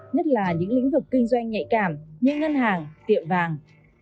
nhất là những lĩnh vực kinh doanh nhạy cảm như ngân hàng tiệm vàng